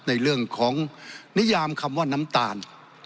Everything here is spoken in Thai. ในเรื่องของนิยามคำว่าน้ำตาล